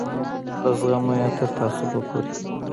له زغمه یې تر تعصبه پورې.